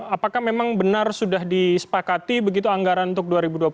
apakah memang benar sudah disepakati begitu anggaran untuk dua ribu dua puluh empat